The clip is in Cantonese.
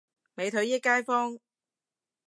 美腿益街坊